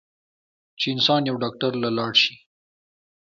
چې انسان يو ډاکټر له لاړشي